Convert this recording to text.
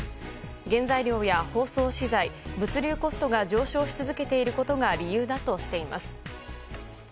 原材料や包装資材、物流コストが上昇し続けていることが理由だとしています。